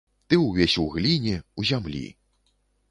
Ты ўвесь у гліне, у зямлі.